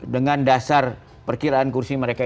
dengan dasar perkiraan kursi mereka